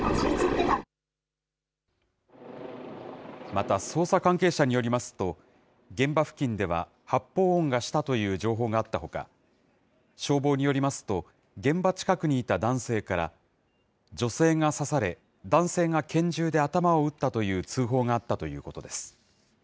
また捜査関係者によりますと、現場付近では発砲音がしたという情報があったほか、消防によりますと、現場近くにいた男性から、女性が刺され、男性が拳銃で頭を撃ったという通報があったということです。